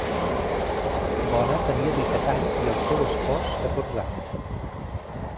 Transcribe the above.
Bona tenia disset anys i el seu espòs catorze anys.